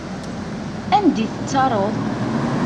Anda i tettaruḍ?